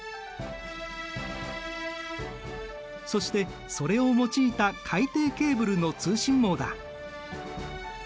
そしてそれを用いた海底ケーブルの通信網だ。